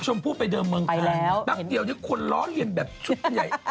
ชมพู่ไปเดิมเมืองเกรียมนักเดี่ยวนี้ควรล้อนเห็นแบบชุดใหญ่